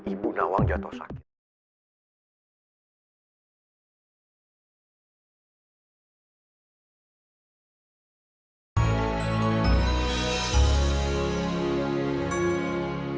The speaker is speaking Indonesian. ibu nawang jatuh sakit